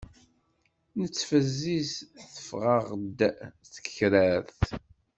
Nettfezziz teffeɣ-aɣ d takrart.